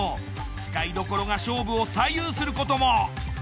使いどころが勝負を左右することも。